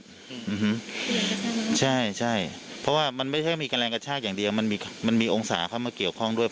พิพัฒน์เอิ้นเอเชใช่ใช่เพราะว่ามันไม่ให้มีแรงกระชากอย่างเดียว